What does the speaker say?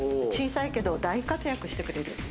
小さいけど大活躍してくれる。